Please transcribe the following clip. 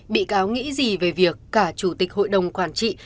bị cáo nghĩ gì về việc cả chủ tịch hội đồng quản trị